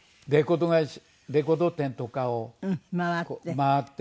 レコード店とかを回っていた時の。